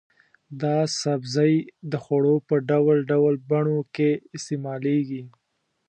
دا سبزی د خوړو په ډول ډول بڼو کې استعمالېږي.